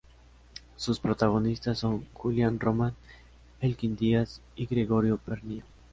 Sus protagonistas son Julián Román, Elkin Díaz y Gregorio Pernía.